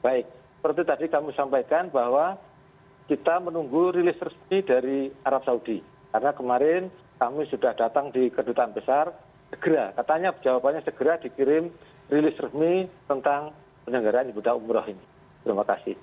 baik seperti tadi kami sampaikan bahwa kita menunggu rilis resmi dari arab saudi karena kemarin kami sudah datang di kedutaan besar segera katanya jawabannya segera dikirim rilis resmi tentang penyelenggaraan ibadah umroh ini terima kasih